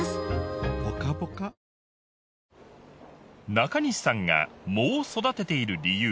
中西さんが藻を育てている理由